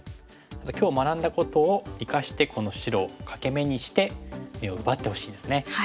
今日学んだことを生かしてこの白を欠け眼にして眼を奪ってほしいですね。